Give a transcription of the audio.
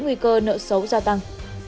nguy cơ nợ xấu gia tăng